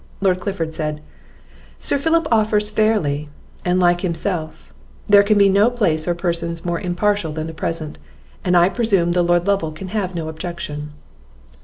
Lord Clifford said "Sir Philip offers fairly, and like himself; there can be no place nor persons more impartial than the present, and I presume the Lord Lovel can have no objection."